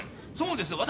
そうです。